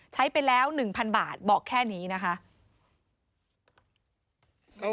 ใช้ไปแล้วหนึ่งพันบาทบอกแค่นี้นะคะ